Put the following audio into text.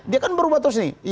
dia kan berubah terus nih